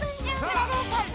［グラデーション］